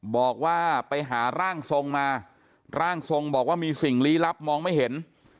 บอกว่าไปหาร่างทรงมาร่างทรงบอกว่ามีสิ่งลี้ลับมองไม่เห็น